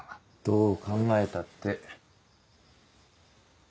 どう考えたって。